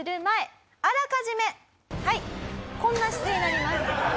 はいこんな姿勢になります。